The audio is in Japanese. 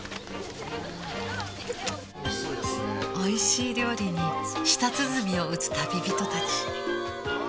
美味しい料理に舌鼓を打つ旅人たち